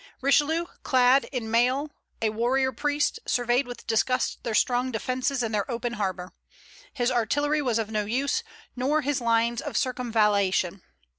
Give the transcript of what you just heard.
Richelieu, clad in mail, a warrior priest, surveyed with disgust their strong defences and their open harbor. His artillery was of no use, nor his lines of circumvallation.